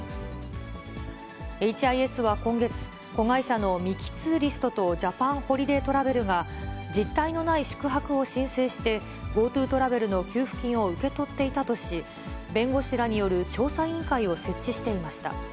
ＨＩＳは今月、子会社のミキ・ツーリストと、ジャパンホリデートラベルが、実体のない宿泊を申請して、ＧｏＴｏトラベルの給付金を受け取っていたとし、弁護士らによる調査委員会を設置していました。